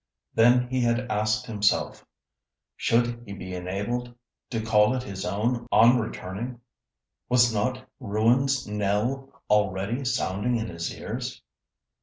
Then he had asked himself, 'Should he be enabled to call it his own on returning? Was not Ruin's knell already sounding in his ears?